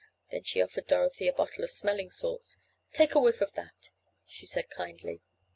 Then she offered Dorothy a bottle of smelling salts. "Take a whiff of that," she said kindly.